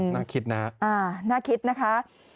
น่าคิดนะคะ